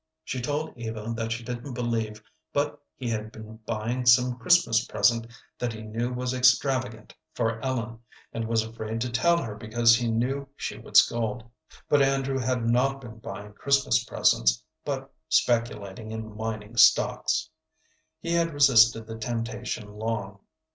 She told Eva that she didn't believe but he had been buying some Christmas present that he knew was extravagant for Ellen, and was afraid to tell her because he knew she would scold. But Andrew had not been buying Christmas presents, but speculating in mining stocks. He had resisted the temptation long.